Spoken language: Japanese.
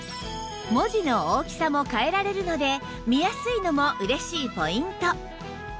文字の大きさも変えられるので見やすいのも嬉しいポイント